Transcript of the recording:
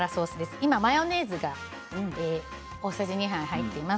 今、マヨネーズが大さじ２杯入っています。